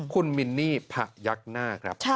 คุณมินนี่ผะยักหน้าครับ